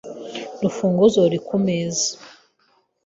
Urufunguzo ruri kumeza .